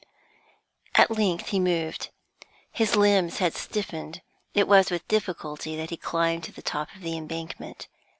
At length he moved. His limbs had stiffened; it was with difficulty that he climbed to the top of the embankment.